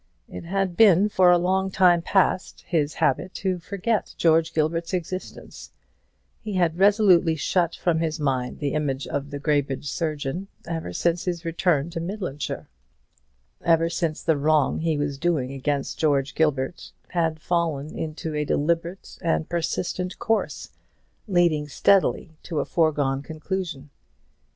It had been, for a long time past, his habit to forget George Gilbert's existence; he had resolutely shut from his mind the image of the Graybridge surgeon ever since his return to Midlandshire; ever since the wrong he was doing against George Gilbert had fallen into a deliberate and persistent course, leading steadily to a foregone conclusion.